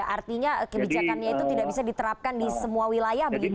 artinya kebijakannya itu tidak bisa diterapkan di semua wilayah begitu ya